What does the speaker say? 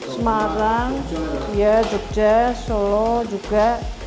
semarang jogja solo juga